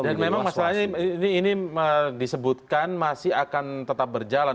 dan memang masalahnya ini disebutkan masih akan tetap berjalan